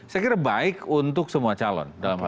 saya kira baik untuk semua calon